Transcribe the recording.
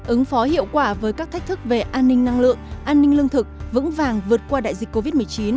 ứng phó hiệu quả với các thách thức về an ninh năng lượng an ninh lương thực vững vàng vượt qua đại dịch covid một mươi chín